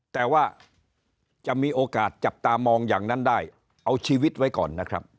แต่ว่าจะมีโอกาสจับตามองอย่างนั้นได้เอาชีวิตไว้ก่อนนะครับ